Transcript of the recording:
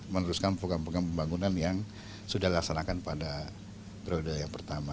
meneruskan pukul pembangunan yang sudah dilaksanakan pada perode yang pertama